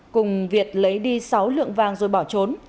cùng việt lấy đi sáu lượng vàng rồi bỏ trốn